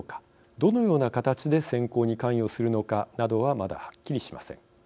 どのような形で選考に関与するのかなどはまだはっきりしません。